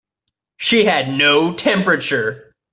She had no temperature.